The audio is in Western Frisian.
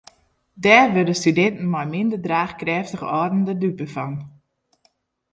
Dêr wurde studinten mei minder draachkrêftige âlden de dupe fan.